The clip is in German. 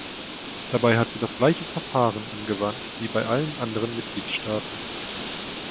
Dabei hat sie das gleiche Verfahren angewandt wie bei allen anderen Mitgliedstaaten.